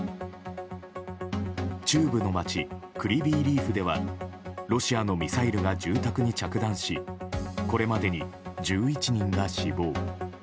中部の街、クリビーリーフではロシアのミサイルが住宅に着弾しこれまでに１１人が死亡。